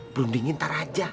berundingin ntar aja